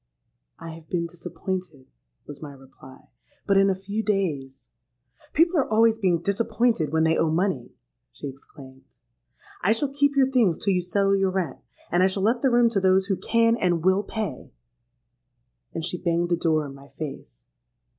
'—'I have been disappointed,' was my reply: 'but in a few days——.'—'People are always being disappointed when they owe money,' she exclaimed. 'I shall keep your things till you settle your rent; and I shall let the room to those who can and will pay.' And she banged the door in my face.